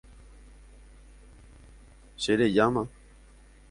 Cherejáma.